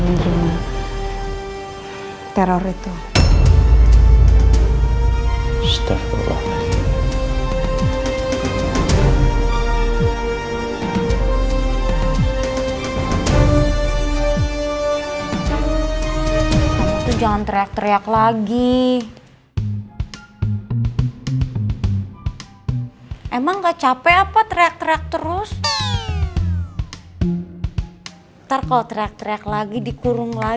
iya kan jess